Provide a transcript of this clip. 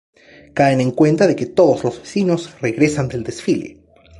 Caen en cuenta de que todos los vecinos regresan del desfile.